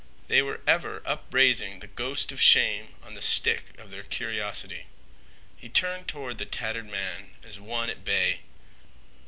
They were ever upraising the ghost of shame on the stick of their curiosity. He turned toward the tattered man as one at bay.